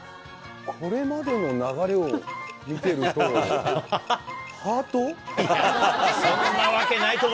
これまでの流れを見てると。